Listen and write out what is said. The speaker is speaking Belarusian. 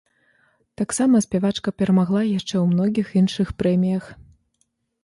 Таксама спявачка перамагла яшчэ ў многіх іншых прэміях.